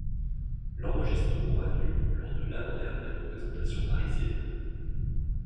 L'enregistrement a lieu lors de l'avant-dernière représentation parisienne.